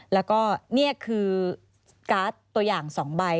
แล้วก็นี่คือการ์ดตัวอย่าง๒ใบ